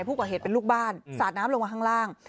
ผู้ก่อเหตุเป็นลูกบ้านสาดน้ำลงมาข้างล่าง